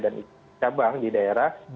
dan di cabang di daerah